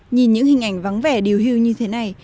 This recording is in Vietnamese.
nhìn những hình ảnh vắng vẻ điều hưu như thế này